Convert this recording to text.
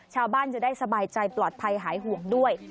ชาวบ้านจะได้สบายใจปลอดภัยหายห่วงด้วย